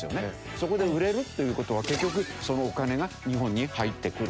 そこで売れるという事は結局そのお金が日本に入ってくる。